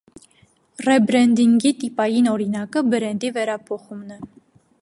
Ռեբրեդինգի տիպային օրինակը բրենդի վերափոխումն է։